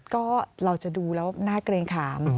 ก็เราจะดูแล้วน่าเกรงขาม